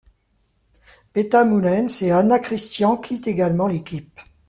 Peta Mullens et Anna Christian quittent également l'équipe.